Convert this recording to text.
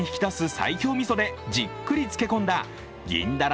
西京みそでじっくり漬け込んだ、銀だら